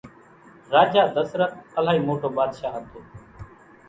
راجا ڌسرت الائِي موٽو ٻاڌشاھ ھتو۔